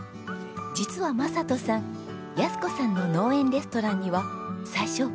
実は正人さん安子さんの農園レストランには最初反対だったそうです。